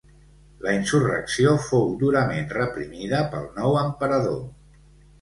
La insurrecció fou durament reprimida pel nou emperador.